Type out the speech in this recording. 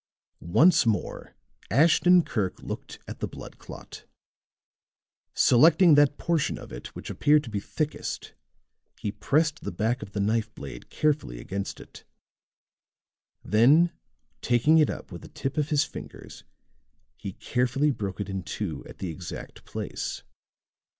Once more Ashton Kirk looked at the blood clot; selecting that portion of it which appeared to be thickest he pressed the back of the knife blade carefully against it; then taking it up with the tip of his fingers he carefully broke it in two at the exact place.